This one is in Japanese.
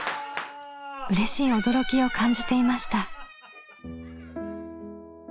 うれしい驚きを感じていました。